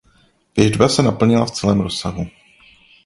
Věštba se naplnila v celém rozsahu.